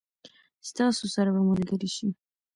ستاسو سره به ملګري شي.